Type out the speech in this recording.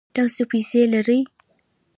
تاسو پیسې لرئ؟